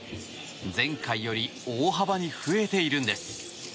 前回より大幅に増えているんです。